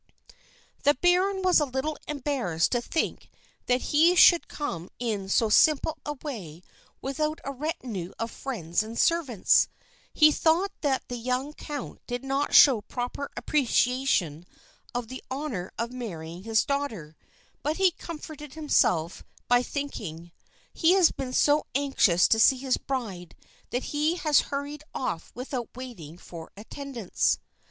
The baron was a little embarrassed to think that he should come in so simple a way without a retinue of friends and servants. He thought that the young count did not show proper appreciation of the honor of marrying his daughter, but he comforted himself by thinking, "He has been so anxious to see his bride that he has hurried off without waiting for attendants."